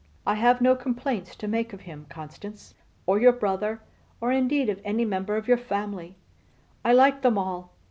I have no complaints to make of him, Constance; or your brother, or indeed of any member of your family. I like them all.